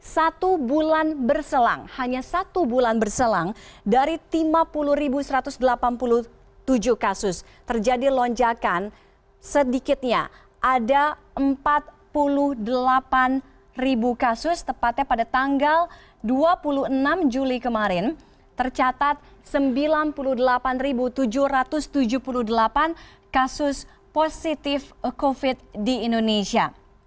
satu bulan berselang hanya satu bulan berselang dari lima puluh satu ratus delapan puluh tujuh kasus terjadi lonjakan sedikitnya ada empat puluh delapan kasus tepatnya pada tanggal dua puluh enam juli kemarin tercatat sembilan puluh delapan tujuh ratus tujuh puluh delapan kasus positif covid sembilan belas di indonesia